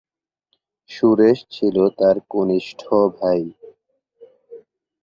সুরেশ ছিল তাঁর কনিষ্ঠ ভাই।